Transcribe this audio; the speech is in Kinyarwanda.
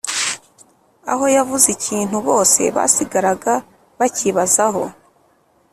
Aho yavuze ikintu bose basigaraga bakibazaho